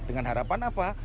dengan harapan apa